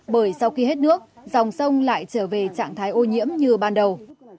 bởi sau khi hết nước dòng sông lại trở về trạng thái ô nhiễm như ban đầu